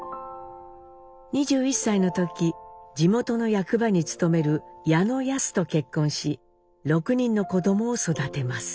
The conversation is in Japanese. ２１歳の時地元の役場に勤める矢野安と結婚し６人の子どもを育てます。